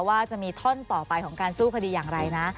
ว่าจะมีท่อนต่อไปของการสู้คดีอย่างไรนะ